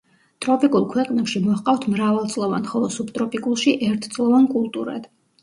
ტროპიკულ ქვეყნებში მოჰყავთ მრავალწლოვან, ხოლო სუბტროპიკულში ერთწლოვან კულტურად.